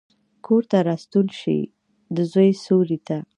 کورته راستون شي، دزوی سیورې ته،